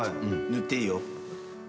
塗っていいよ。